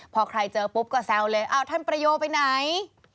พอใครเจอปุ๊บก็แซวเลยอ้าวท่านประโยคไปไหน